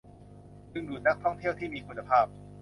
ดึงดูดนักท่องเที่ยวที่มีคุณภาพ